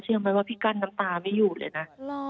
เชื่อไหมว่าพี่กั้นน้ำตาไม่หยุดเลยนะ